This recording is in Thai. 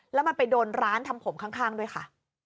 แล้วมันไปโดนร้านทำผมข้างด้วยค่ะ